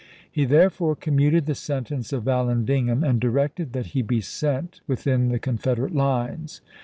He therefore commuted the sentence of Vallandigham, and directed that he be sent within the Confederate lines.